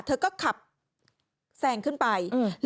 เธอก็กลับแสงขึ้นไปอืม